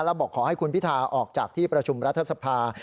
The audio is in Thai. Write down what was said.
แล้วบอกขอให้คุณพิธาออกจากที่ประชุมรัฐสภา